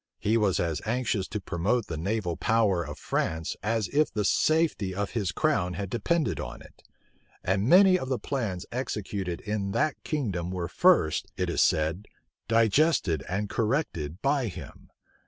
He was as anxious to promote the naval power of France as if the safety of his crown had depended on it; and many of the plans executed in that kingdom were first, it is said,[*] digested and corrected by him.